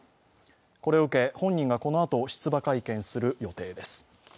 これを受け、本人がこのあと出馬会見する予定です。